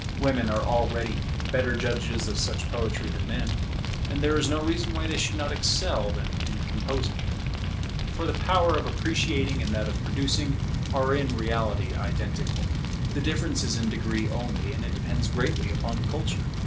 Women are already better judges of such poetry than men; and there is no reason why they should not excel them in composing it. For the power of appreciating and that of producing are in reality identical; the difference is in degree only, and it depends greatly upon culture.